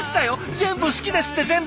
「全部好きです」って「全部」。